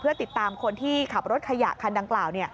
ติดตามคนที่ขับรถขยะคันดังกล่าว